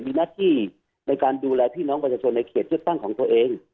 มีหน้าที่ในการดูแลพี่น้องประชาชนในเขตเลือกตั้งของตัวเอง